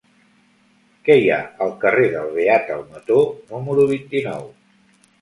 Què hi ha al carrer del Beat Almató número vint-i-nou?